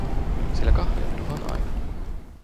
Sillä kahvia minulla on aina.